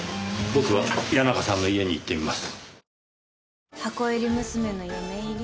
僕は谷中さんの家に行ってみます。